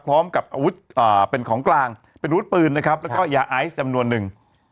พร้อมกับอาวุธเป็นของกลางเป็นอาวุธปืนนะครับแล้วก็ยาไอซ์จำนวนหนึ่ง